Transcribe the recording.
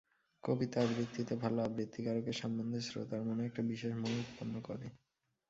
কবিতা-আবৃত্তিতে ভালো আবৃত্তিকারকের সম্বন্ধে শ্রোতার মনে একটা বিশেষ মোহ উৎপন্ন করে।